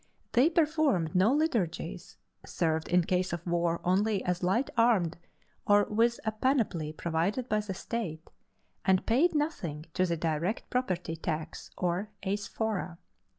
They performed no liturgies, served in case of war only as light armed or with a panoply provided by the state, and paid nothing to the direct property tax or Eisphora.